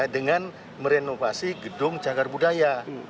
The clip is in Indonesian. dengan merenovasi gedung cagar budaya